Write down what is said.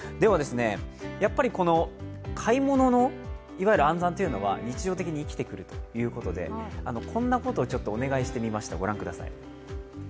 やっぱりこの買い物の暗算というのは日常的に生きてくるということでこんなことをお願いしてみました。